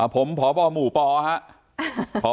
ผมพบมปครับ